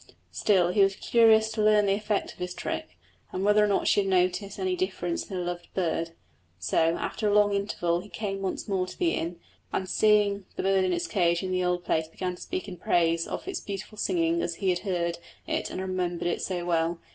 Still he was curious to learn the effect of his trick, and whether or not she had noticed any difference in her loved bird; so, after a long interval, he came once more to the inn, and seeing the bird in its cage in the old place began to speak in praise of its beautiful singing as he had heard it and remembered it so well.